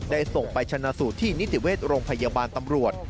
ส่งไปชนะสูตรที่นิติเวชโรงพยาบาลตำรวจ